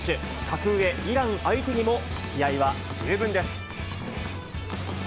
格上、イラン相手にも、気合いは十分です。